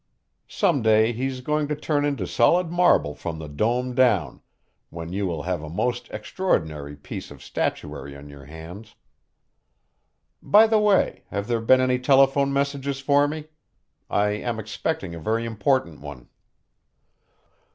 Some day he's going to turn into solid marble from the dome down, when you will have a most extraordinary piece of statuary on your hands. By the way, have there been any telephone messages for me? I am expecting a very important one."